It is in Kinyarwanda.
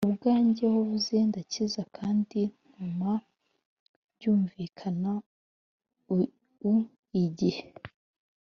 ubwanjye wavuze ndakiza kandi ntuma byumvikana u igihe